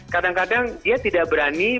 kadang kadang dia tidak berani